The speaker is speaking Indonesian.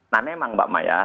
nah memang mbak maya